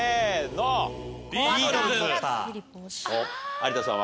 有田さんは？